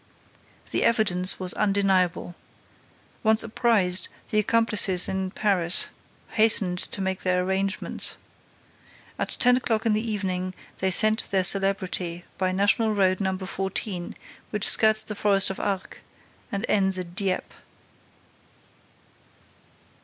The evidence was undeniable. Once apprised the accomplices in Paris hastened to make their arrangements. At ten o'clock in the evening they sent their celebrity by National Road No. 14, which skirts the forest of Arques and ends at Dieppe.